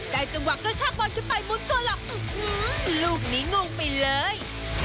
ได้จังหวะกระชากบอลกึ่งไปหมุนตัวหลอกอื้อหือลูกนี้งุ่งไปเลย